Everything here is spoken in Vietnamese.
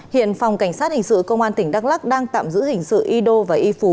hiện phòng cảnh sát hình sự công an tỉnh đắk lắc đang tạm giữ hình sự y đô và y phú